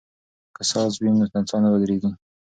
که ساز وي نو نڅا نه ودریږي.